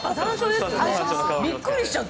びっくりしちゃった。